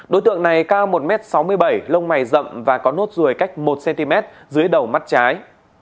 đối tượng này cao một m sáu mươi bảy lông mày rậm và có nốt ruồi cách một cm dưới đầu mắt trái